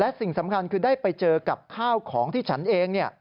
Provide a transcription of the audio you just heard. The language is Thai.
และสิ่งสำคัญคือได้ไปเจอกับข้าวของที่ฉันเอง